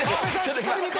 しっかり見て！